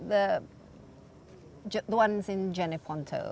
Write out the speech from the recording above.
lebih kurang berat